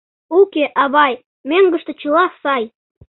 — Уке, авай, мӧҥгыштӧ чыла сай.